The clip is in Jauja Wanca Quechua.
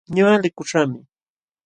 Ñuqa likuśhaqmi.